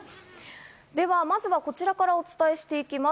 では、まずはこちらからお伝えしていきます。